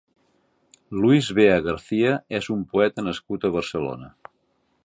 Luis Vea García és un poeta nascut a Barcelona.